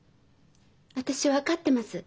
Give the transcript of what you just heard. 私分かってます。